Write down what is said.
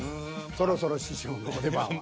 そろそろ師匠のお出番は。